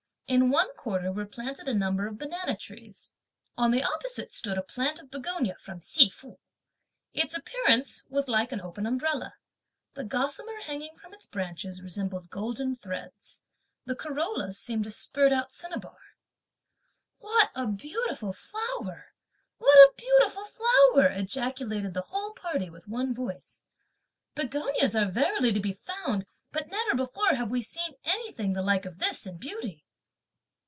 In one quarter were planted a number of banana trees; on the opposite stood a plant of begonia from Hsi Fu. Its appearance was like an open umbrella. The gossamer hanging (from its branches) resembled golden threads. The corollas (seemed) to spurt out cinnabar. "What a beautiful flower! what a beautiful flower!" ejaculated the whole party with one voice; "begonias are verily to be found; but never before have we seen anything the like of this in beauty."